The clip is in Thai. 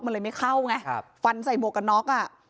มันเลยไม่เข้าไงฟันใส่โมกกัน๊อก